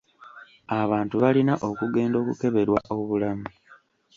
Abantu balina okugenda okukeberwa obulamu.